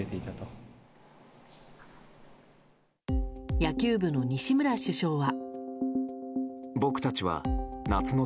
野球部の西村主将は。